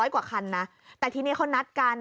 กว่าคันนะแต่ทีนี้เขานัดกัน